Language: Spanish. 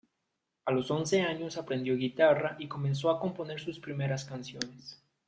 A los once años aprendió guitarra y comenzó a componer sus primeras canciones.